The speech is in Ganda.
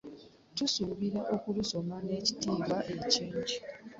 Tusuubira okulusoma n'ekitiibwa kingi.